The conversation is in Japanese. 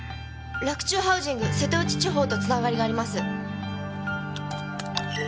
洛中ハウジング瀬戸内地方と繋がりがあります。